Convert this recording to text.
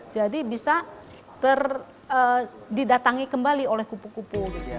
jadi bisa didatangi kembali oleh kupu kupu